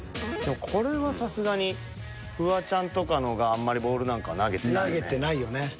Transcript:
これはさすがにフワちゃんとかの方があんまりボールなんか投げてないよね。